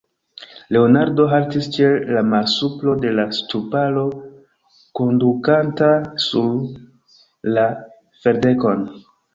Leonardo haltis ĉe la malsupro de la ŝtuparo, kondukanta sur la ferdekon.